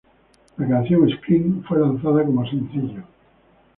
La canción "Scream" fue lanzada como sencillo.